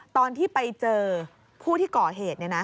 ตอนที่ไปเจอผู้ที่ก่อเหตุ